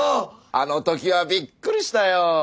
あのときはびっくりしたよ。